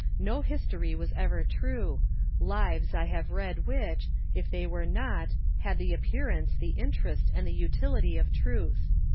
No history was ever true : lives I have read which, if they were not, had the appearance, the interest, and the utility of truth.